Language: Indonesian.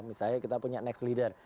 misalnya kita punya next leader